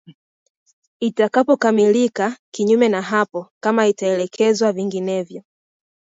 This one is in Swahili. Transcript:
itakapokamilika kinyume na hapo kama itaelekezwa vinginevyo